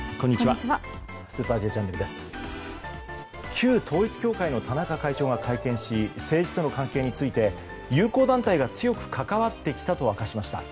旧統一教会の田中会長が会見し政治との関係について友好団体が強く関わってきたと明かしました。